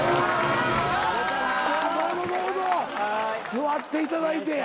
座っていただいて。